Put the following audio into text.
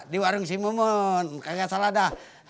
di warung simumun kayaknya salah dah